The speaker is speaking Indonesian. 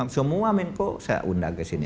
semua menko saya undang ke sini